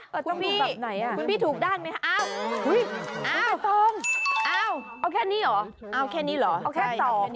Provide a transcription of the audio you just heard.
พี่ถูกด้านไหมอ้าวอ้าวเอาแค่นี้เหรอเอาแค่นี้เหรอเอาแค่ต่อ